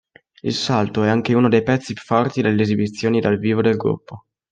Il salto è anche uno dei pezzi forti delle esibizioni dal vivo del gruppo.